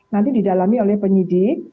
nanti didalami oleh penyidik